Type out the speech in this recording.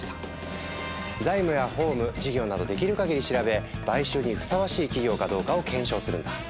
財務や法務事業などできるかぎり調べ買収にふさわしい企業かどうかを検証するんだ。